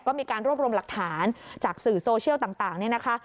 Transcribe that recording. ก็มีการรวบรวมหลักฐานจากสื่อโซเชียลต่างเนี่ยนะคะ